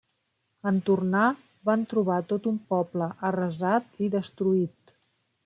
En tornar, van trobar tot un poble arrasat i destruït.